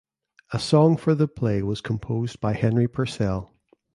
A song for the play was composed by Henry Purcell.